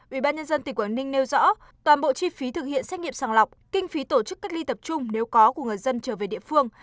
ubnd tỉnh quảng ninh nêu rõ toàn bộ chi phí thực hiện xét nghiệm sàng lọc kinh phí tổ chức cách ly tập trung nếu có của người dân trở về địa phương